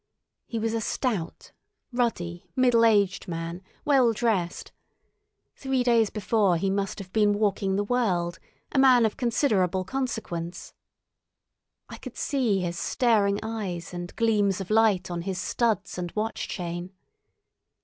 He was a stout, ruddy, middle aged man, well dressed; three days before, he must have been walking the world, a man of considerable consequence. I could see his staring eyes and gleams of light on his studs and watch chain.